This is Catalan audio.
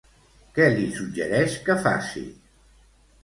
Què li suggereix que faci?